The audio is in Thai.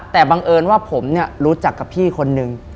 แต่บังเอิญว่าผมเนี่ยรู้จักกับพี่คนนึง